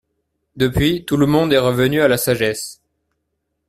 Depuis, tout le monde est revenu à la sagesse.